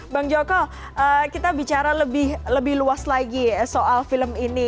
bang joko kita bicara lebih luas lagi soal film ini